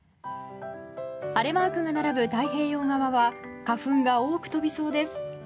晴れマークが並ぶ太平洋側は花粉が多く飛びそうです。